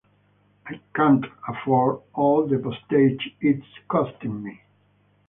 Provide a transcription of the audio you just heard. I can't afford all the postage it's costing me.